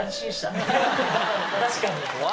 確かに。